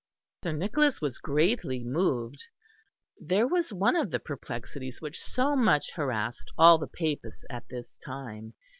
Sir Nicholas was greatly moved. There was one of the perplexities which so much harassed all the Papists at this time.